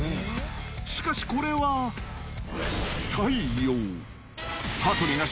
しかし、これは不採用。